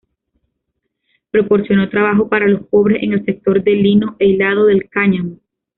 Proporcionó trabajo para los pobres en el sector del lino e hilado del cáñamo.